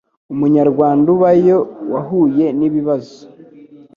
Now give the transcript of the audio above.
Umunyarwanda ubayo wahuye nibibazo